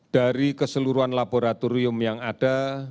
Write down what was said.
dari keseluruhan laboratorium yang ada